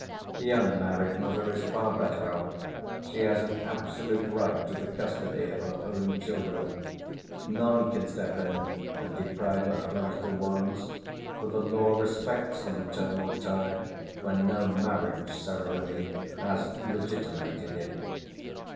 The unmarried mother is far better off; she has an absolute right to the custody of her own children; none can step in and deprive her of her little ones, for the law respects the maternal tie when no marriage ceremony has "legitimated" it.